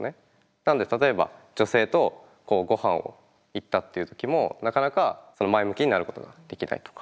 なので例えば女性とごはんを行ったっていう時もなかなか前向きになることができないとか。